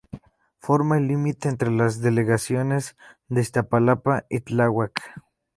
Forma el límite entre las delegaciones de Iztapalapa y Tláhuac.